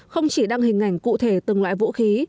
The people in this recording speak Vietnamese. không chỉ đăng hình ảnh cụ thể từng loại vũ khí